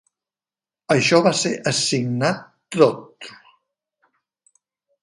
Això va ser assignat toLr.